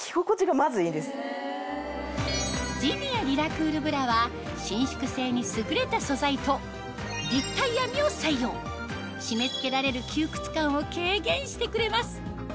ジニエリラクールブラは伸縮性に優れた素材と立体編みを採用締め付けられる窮屈感を軽減してくれます